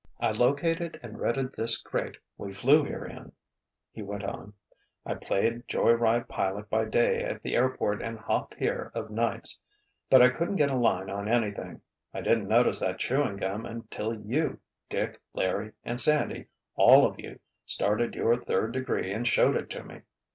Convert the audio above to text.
"I located and rented this crate we flew here in," he went on. "I played joy ride pilot by day at the airport and hopped here of nights. But I couldn't get a line on anything. I didn't notice that chewing gum until you, Dick, Larry and Sandy—all of you—started your third degree and showed it to me.